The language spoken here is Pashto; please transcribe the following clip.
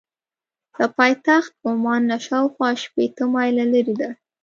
له پایتخت عمان نه شاخوا شپېته مایله لرې ده.